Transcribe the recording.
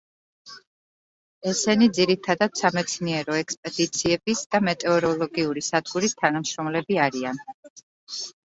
ესენი ძირითადად სამეცნიერო ექსპედიციების და მეტეოროლოგიური სადგურის თანამშრომლები არიან.